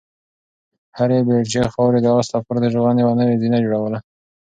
هرې بیلچې خاورې د آس لپاره د ژغورنې یوه نوې زینه جوړوله.